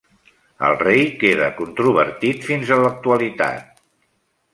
El rei queda controvertit fins a l'actualitat.